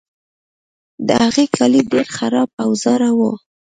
د هغه کالي ډیر خراب او زاړه وو.